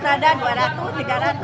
tidak ada dua ratus tiga ratus